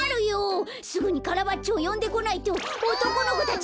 すぐにカラバッチョをよんでこないとおとこの子たち